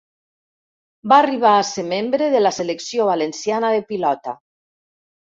Va arribar a ser membre de la Selecció Valenciana de Pilota.